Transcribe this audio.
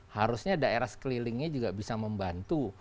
harusnya daerah sekelilingnya juga bisa membantu